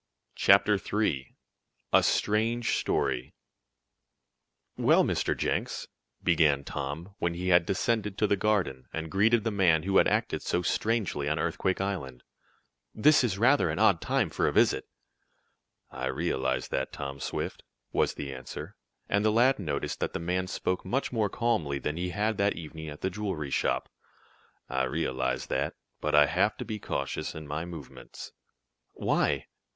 CHAPTER III A STRANGE STORY "Well, Mr. Jenks," began Tom, when he had descended to the garden, and greeted the man who had acted so strangely on Earthquake Island, "this is rather an odd time for a visit." "I realize that, Tom Swift," was the answer, and the lad noticed that the man spoke much more calmly than he had that evening at the jewelry shop. "I realize that, but I have to be cautious in my movements." "Why?"